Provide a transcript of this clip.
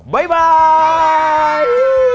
บ๊ายบาย